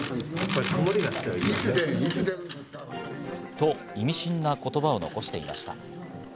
と、意味深な言葉を残していました。